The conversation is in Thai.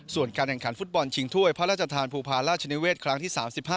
ส่วนการแข่งขันฟุตบอลชิงถ้วยพระราชทานภูพาราชนิเวศครั้งที่๓๕